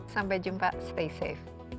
sampai jumpa stay safe